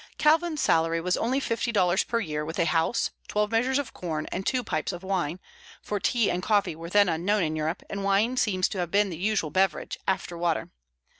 Calvin's salary was only fifty dollars a year, with a house, twelve measures of corn, and two pipes of wine; for tea and coffee were then unknown in Europe, and wine seems to have been the usual beverage, after water.